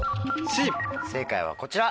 正解はこちら。